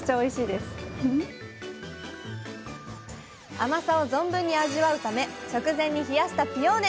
甘さを存分に味わうため直前に冷やしたピオーネ。